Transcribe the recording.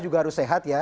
juga harus sehat ya